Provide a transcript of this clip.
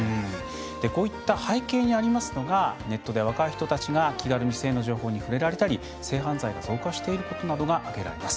こういった背景にありますのがネットで若い人たちが気軽に性の情報に触れられたり性犯罪が増加していることなどが挙げられます。